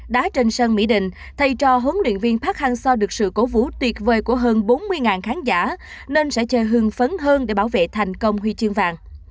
đá trên sân mỹ định thầy trò huấn luyện viên park hang seo được sự cố vũ tuyệt vời của hơn bốn mươi khán giả nên sẽ chơi hương phấn hơn để bảo vệ thành công huy chương vàng